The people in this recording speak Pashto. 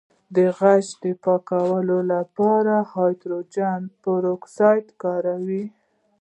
د غوږ د پاکوالي لپاره د هایدروجن پر اکسایډ وکاروئ